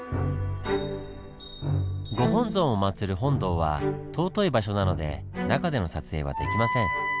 ご本尊をまつる本堂は尊い場所なので中での撮影はできません。